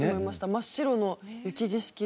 真っ白の雪景色で。